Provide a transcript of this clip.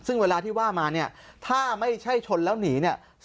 ซึ่งเวลาที่ว่ามาถ้าไม่ใช่ชนแล้วหนี